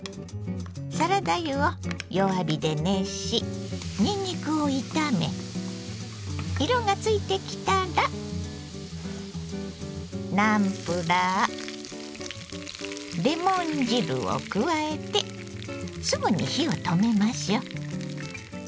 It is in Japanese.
サラダ油を弱火で熱しにんにくを炒め色がついてきたらナムプラーレモン汁を加えてすぐに火を止めましょう。